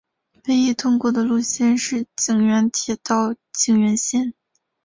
唯一通过的路线是井原铁道井原线。